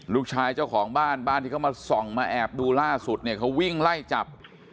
เจ้าของบ้านบ้านที่เขามาส่องมาแอบดูล่าสุดเนี่ยเขาวิ่งไล่จับ